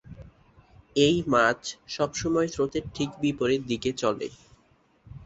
এই মাছ সবসময় স্রোতের ঠিক বিপরীত দিকে চলে।